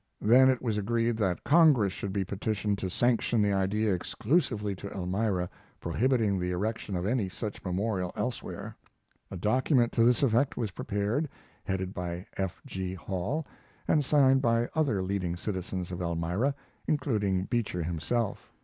Then it was agreed that Congress should be petitioned to sanction the idea exclusively to Elmira, prohibiting the erection of any such memorial elsewhere. A document to this effect was prepared, headed by F. G. Hall, and signed by other leading citizens of Elmira, including Beecher himself.